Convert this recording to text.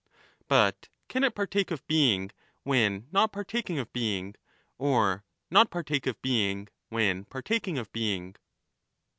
89 But can it partake of being when not partaking of being, or Par not partake of being when partaking of being